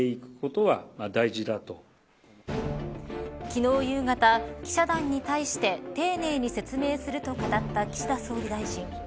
昨日夕方記者団に対して丁寧に説明すると語った岸田総理大臣。